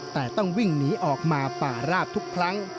แต่ต้องวิ่งหนีออกมาป่าราบทุกครั้ง